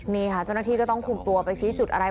นี่ค่ะเจ้าหน้าที่ก็ต้องคุมตัวไปชี้จุดอะไร